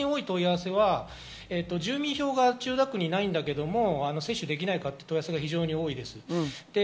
最近多い問い合わせは住民票が千代田区にないんだけれども接種できないかという問い合わせが多いです。